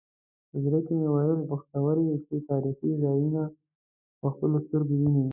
په زړه کې مې وویل بختور یې چې تاریخي ځایونه په خپلو سترګو وینې.